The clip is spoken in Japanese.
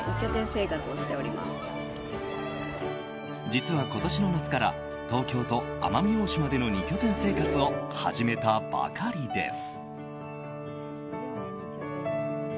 実は今年の夏から東京と奄美大島での２拠点生活を始めたばかりです。